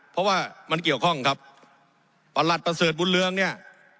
เพราะว่ามันเกี่ยวข้องครับประหลัดประเสริฐบุญเรืองเนี่ย